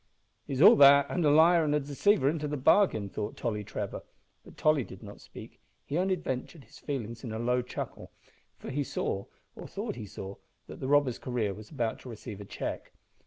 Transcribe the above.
"He's all that, and liar and deceiver into the bargain," thought Tolly Trevor, but Tolly did not speak; he only vented his feelings in a low chuckle, for he saw, or thought he saw, that the robber's career was about to receive a check.